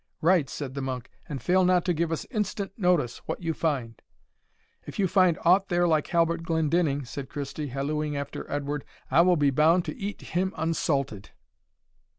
"Right," said the monk, "and fail not to give us instant notice what you find." "If you find aught there like Halbert Glendinning," said Christie, hallooing after Edward, "I will be bound to eat him unsalted.